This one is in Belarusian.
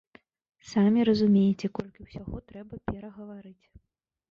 Самі разумееце, колькі ўсяго трэба перагаварыць.